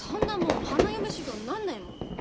花嫁修業になんないもん。